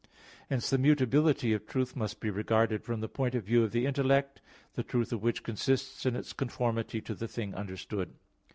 Hence the mutability of truth must be regarded from the point of view of the intellect, the truth of which consists in its conformity to the thing understood.